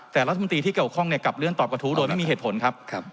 แต่รัฐมนตรีที่เกี่ยวข้องกลับเลื่อนตอบกระทู้โดยไม่มีเหตุผลครับ